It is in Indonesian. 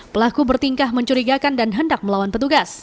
pelaku bertingkah mencurigakan dan hendak melawan petugas